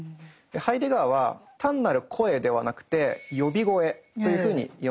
ハイデガーは単なる「声」ではなくて「呼び声」というふうに呼んでいます。